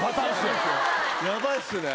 ヤバいっすね。